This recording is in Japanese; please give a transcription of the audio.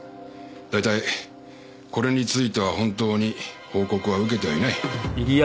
だいたいこれについては本当に報告は受けてはいない。